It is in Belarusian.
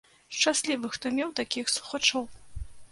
Шчаслівы, хто меў такіх слухачоў.